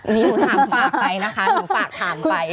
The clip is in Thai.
นี่หนูถามฝากไปนะคะหนูฝากถามไป